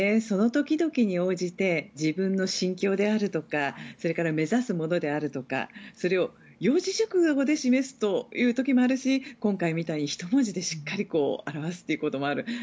その時々に応じて自分の心境であるとか目指すものであるとかそれを四字熟語で示すという時もあるし今回みたいに１文字でしっかり表すこともある。